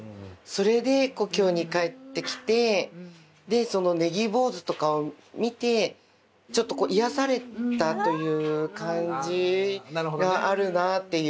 それで故郷に帰ってきてでその葱坊主とかを見てちょっと癒やされたという感じがあるなっていう。